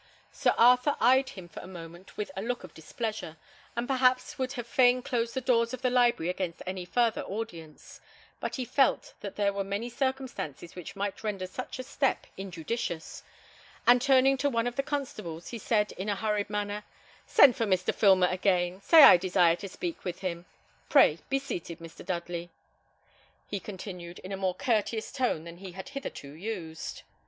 Sir Arthur eyed him for a moment with a look of displeasure, and perhaps would have fain closed the doors of the library against any farther audience; but he felt that there were many circumstances which might render such a step injudicious; and turning to one of the constables, he said, in a hurried manner, "Send for Mr. Filmer again; say I desire to speak with him. Pray be seated, Mr. Dudley," he continued, in a more courteous tone than he had hitherto used.